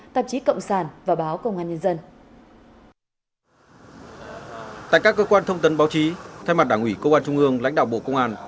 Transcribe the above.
tại các cơ quan thông tấn báo chí thay mặt đảng ủy công an trung ương lãnh đạo bộ công an